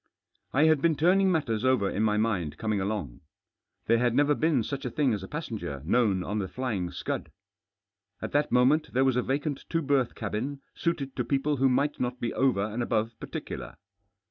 I had been turning matters oyer in jny mind conning along. There had never been such a thing as a passenger known on The Flying Scud, ^t that IHQipent there was a vacant two berth cabin suited to people who might not be over and above particular.